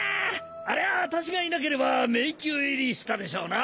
あれは私がいなければ迷宮入りしたでしょうな！